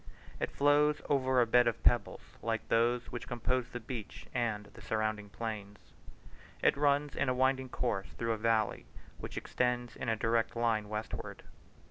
It flows over a bed of pebbles, like those which compose the beach and the surrounding plains. It runs in a winding course through a valley, which extends in a direct line westward.